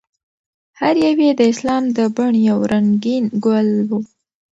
هر یو یې د اسلام د بڼ یو رنګین ګل و.